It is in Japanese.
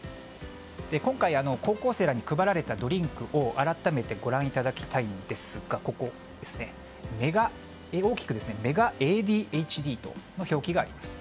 今回高校生らに配られたドリンクを改めてご覧いただきたいんですがここ、大きくメガＡＤＨＤという表記があります。